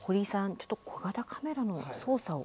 ちょっと小型カメラの操作を。